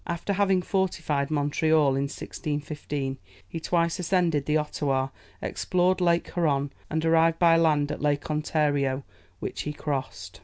After having fortified Montreal, in 1615, he twice ascended the Ottawa, explored Lake Huron, and arrived by land at Lake Ontario, which he crossed.